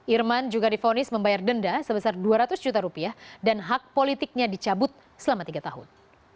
irman juga difonis membayar denda sebesar dua ratus juta rupiah dan hak politiknya dicabut selama tiga tahun